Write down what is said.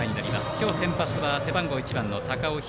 今日先発は背番号１番の高尾響。